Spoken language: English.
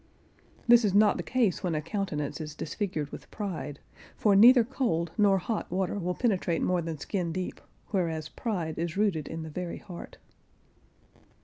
This is not the case when a countenance is disfigured with pride, for neither cold nor hot water will penetrate more than skin deep, whereas pride is rooted in the very heart.